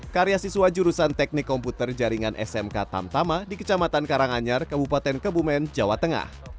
karya siswa jurusan teknik komputer jaringan smk tamtama di kecamatan karanganyar kabupaten kebumen jawa tengah